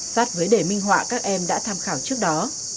sát với đề minh họa các em đã tham khảo trước đó